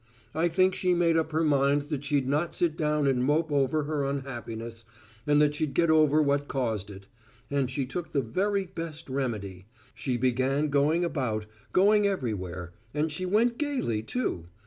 I think she made up her mind that she'd not sit down and mope over her unhappiness, and that she'd get over what caused it; and she took the very best remedy: she began going about, going everywhere, and she went gayly, too!